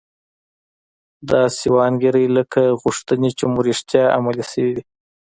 داسې و انګیرئ لکه غوښتنې چې مو رښتیا عملي شوې وي